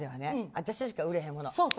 私しか売れへんもの。